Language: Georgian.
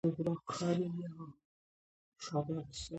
ჰეიერდალმა მოაწყო აღდგომის კუნძულის ნორვეგიული არქეოლოგიური ექსპედიცია.